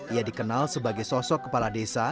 ia dikenal sebagai sosok kepala desa